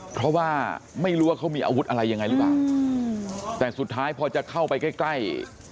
เพราะว่าไม่รู้ว่าเขามีอาวุธอะไรยังไงหรือเปล่าแต่สุดท้ายพอจะเข้าไปใกล้ใกล้